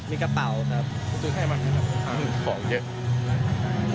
มีกระเป๋าของรูปครับ